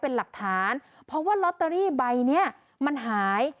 เป็นหลักฐานเพราะว่าลอตเตอรี่ใบเนี้ยมันหาย